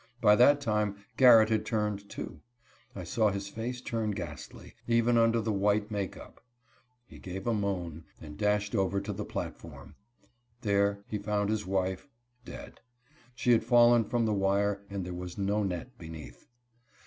By that time Garrett had turned, too. I saw his face turn ghastly, even under the white make up. He gave a moan, and dashed over to the platform. There he found his wife dead. She had fallen from the wire and there was no net beneath.